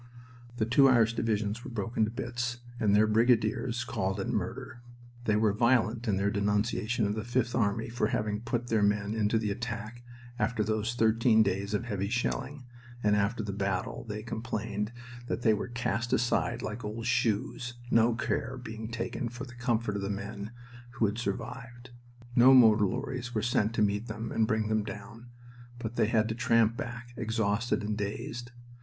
The two Irish divisions were broken to bits, and their brigadiers called it murder. They were violent in their denunciation of the Fifth Army for having put their men into the attack after those thirteen days of heavy shelling, and after the battle they complained that they were cast aside like old shoes, no care being taken for the comfort of the men who had survived. No motor lorries were sent to meet them and bring them down, but they had to tramp back, exhausted and dazed.